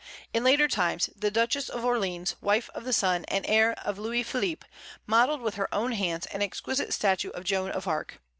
In later times, the Duchess of Orleans, wife of the son and heir of Louis Philippe, modelled with her own hands an exquisite statue of Joan of Arc.